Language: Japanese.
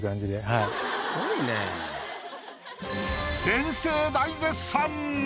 先生大絶賛！